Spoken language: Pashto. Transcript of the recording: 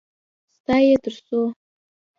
_ستا يې تر څو؟